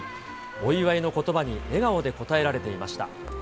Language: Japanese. お祝いのことばに笑顔で応えられていました。